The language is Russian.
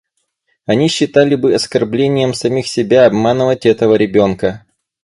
Они считали бы оскорблением самих себя обманывать этого ребенка.